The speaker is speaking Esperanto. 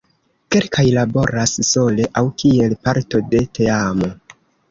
Kelkaj laboras sole aŭ kiel parto de teamo.